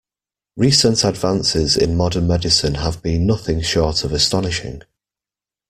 Recent advances in modern medicine have been nothing short of astonishing.